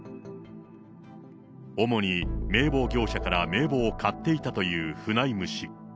主に名簿業者から名簿を買っていたというフナイム氏。